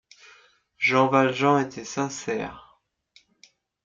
Jean Valjean était sincère.